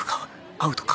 アウトか？